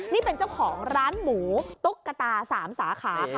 นี่เป็นเจ้าของร้านหมูตุ๊กตา๓สาขาค่ะ